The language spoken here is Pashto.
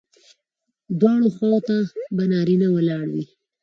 دواړو خواوو ته به نارینه ولاړ وي.